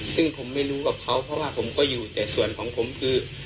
ซึ่งผมไม่รู้กับเขาเพราะว่าผมก็อยู่แต่ส่วนของผมคือ